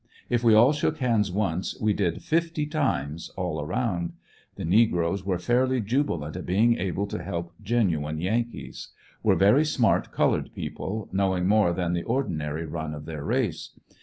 If we all shook hands once we did fifty times, all around. The negroes were f^.irly jubilant at being able to help genuine Yankees. Were very smart colored people, knowing more than the ordinary run of their race.